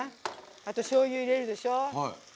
あと、しょうゆ入れるでしょ。